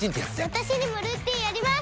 私にもルーティンあります！